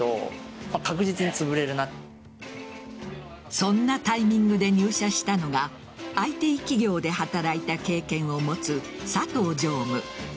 そんなタイミングで入社したのがＩＴ企業で働いた経験を持つ佐藤常務。